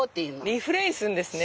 リフレインするんですね。